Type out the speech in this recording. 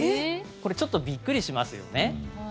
これちょっとびっくりしますよね。